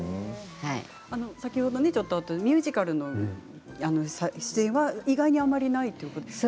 先ほどミュージカルの出演は意外にあまりないということですが。